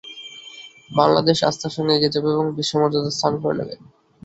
বাংলাদেশ আস্থার সঙ্গে এগিয়ে যাবে এবং বিশ্বে মর্যাদার স্থান করে নেবে।